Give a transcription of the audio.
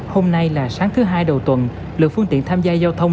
hôm nay là sáng thứ hai đầu tuần lượng phương tiện tham gia giao thông